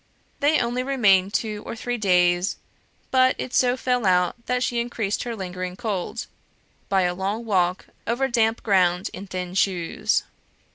They only remained two or three days, but it so fell out that she increased her lingering cold, by a long walk over damp ground in thin shoes.